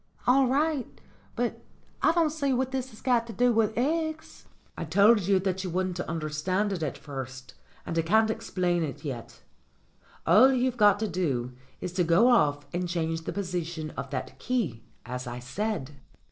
"All right. But I don't see what that's got to do with eggs." "I told you that you wouldn't understand it at first, and I can't explain it yet. All you've got to do is to go off and change the position of that key, as I said."